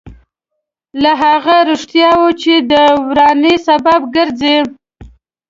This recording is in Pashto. له هغه رښتیاوو چې د ورانۍ سبب ګرځي.